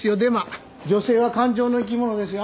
女性は感情の生き物ですよ。